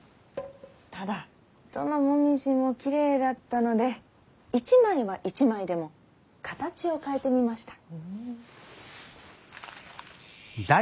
ただどの紅葉もきれいだったので一枚は一枚でも形を変えてみました。